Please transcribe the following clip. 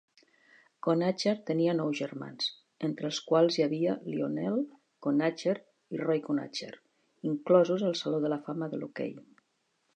Conacher tenia nou germans, entre els quals hi havia Lionel Conacher i Roy Conacher, inclosos al saló de la fama de l'hoquei.